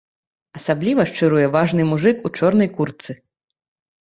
Асабліва шчыруе важны мужык у чорнай куртцы.